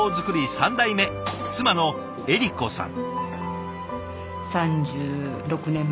３代目妻の恵利子さん。